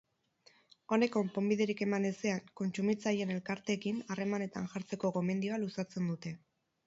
Honek konponbiderik eman ezean, kontsumitzaileen elkarteekin harremanetan jartzeko gomendioa luzatzen dute.